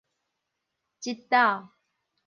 這斗